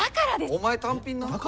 お前単品な。